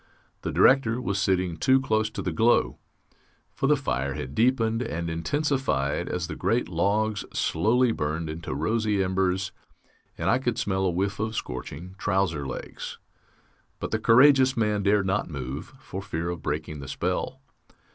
The Director was sitting too close to the glow, for the fire had deepened and intensified as the great logs slowly burned into rosy embers, and I could smell a whiff of scorching trouser legs; but the courageous man dared not move, for fear of breaking the spell.